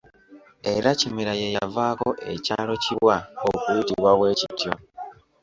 Era Kimera ye yavaako ekyalo Kibwa okuyitibwa bwe kityo.